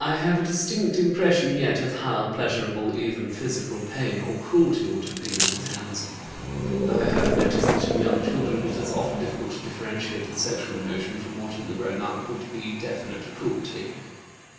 I have a distinct impression yet of how pleasurable even physical pain or cruelty would have been at his hands. (I have noticed that in young children it is often difficult to differentiate the sexual emotions from what in the grown up would be definite cruelty.)